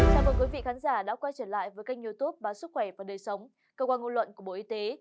chào mừng quý vị khán giả đã quay trở lại với kênh youtube báo sức khỏe và đời sống cơ quan ngôn luận của bộ y tế